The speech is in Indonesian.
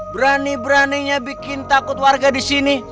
berani beraninya bikin takut warga di sini